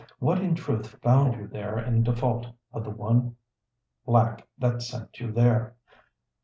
What in truth found you there in default of the one lack that sent you there